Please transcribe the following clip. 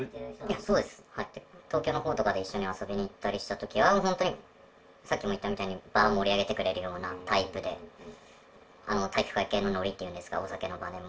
そうです、東京のほうとかで、一緒に遊びに行ったりしたときとかは、本当にさっきも言ったみたいに場を盛り上げてくれるようなタイプで、体育会系のノリって言うんですか、お酒の場でも。